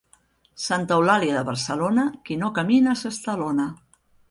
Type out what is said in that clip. Santa Eulàlia de Barcelona, qui no camina s'estalona.